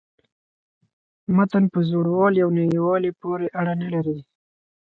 متن په زوړوالي او نویوالي پوري اړه نه لري.